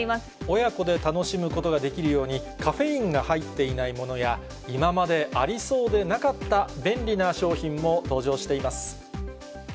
親子で楽しむことができるように、カフェインが入っていないものや、今までありそうでなかった便利な商品も登場しています。